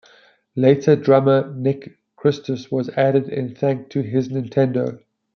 Later drummer Nick Christus was added in thanks to his Nintendo.